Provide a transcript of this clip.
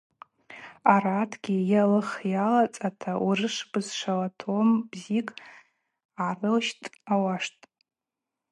Аратгьи йалых-йалацӏата урышв бызшвала том бзикӏ гӏарылщт ауаштӏ.